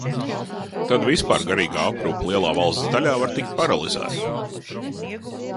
Tad vispār garīgā aprūpe lielā valsts daļā var tikt paralizēta.